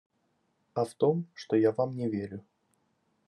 А в том, что я Вам не верю.